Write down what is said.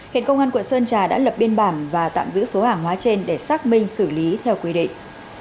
hiện công an quận sơn trà đã lập biên bản và tạm giữ số hàng hóa trên để xác minh xử lý theo quy định